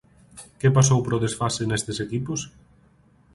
¿Que pasou para o desfase nestes equipos?